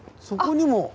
そこにも。